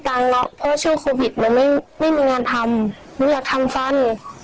ตังค์หรอกเพราะว่าเชื่อโควิดหนูไม่ไม่มีงานทำหนูอยากทำฟัน